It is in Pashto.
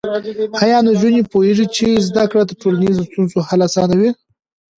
ایا نجونې پوهېږي چې زده کړه د ټولنیزو ستونزو حل اسانوي؟